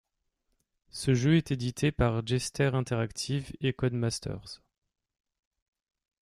Ce jeu est édité par Jester Interactive et Codemasters.